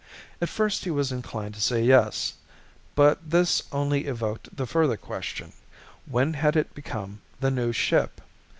At first he was inclined to say yes. But this only evoked the further question: when had it become the new ship?